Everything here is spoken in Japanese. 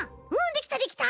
できたできた！